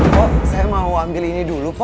po saya mau ambil ini dulu po